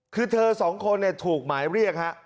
คือเธอสองคนถูกหมายเรียกฮะ